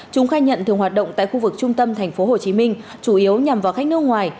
chúng khai nhận thường hoạt động tại khu vực trung tâm tp hcm chủ yếu nhằm vào khách nước ngoài